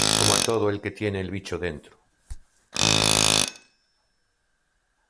como a todo el que tiene el bicho dentro.